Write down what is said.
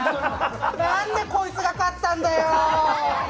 なんで、こいつが勝ったんだよ。